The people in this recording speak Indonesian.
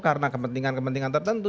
karena kepentingan kepentingan tertentu